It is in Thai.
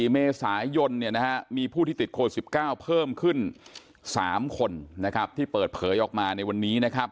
๔เมษายนมีผู้ที่ติดโควิด๑๙เพิ่มขึ้น๓คนที่เปิดเผยออกมาในวันนี้นะครับ